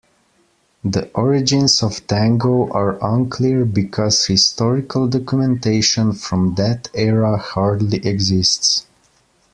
The origins of tango are unclear because historical documentation from that era hardly exists.